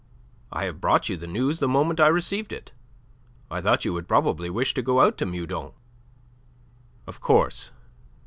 I have brought you the news the moment I received it. I thought you would probably wish to go out to Meudon." "Of course.